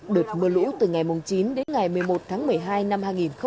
đợt mưa lũ từ ngày chín đến ngày một mươi một tháng một mươi hai năm hai nghìn một mươi chín